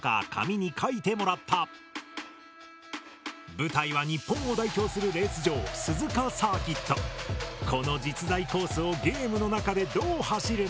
舞台は日本を代表するレース場この実在コースをゲームの中でどう走るのか。